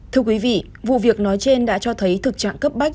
thưa quý vị vụ việc nói trên đã cho thấy thực trạng cấp bách